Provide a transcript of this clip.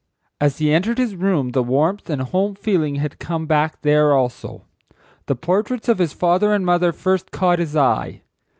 As he entered his room the warmth and home feeling had come back there also. The portraits of his father and mother first caught his eye.